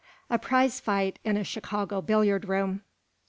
A PRIZE FIGHT IN A CHICAGO BILLIARD ROOM.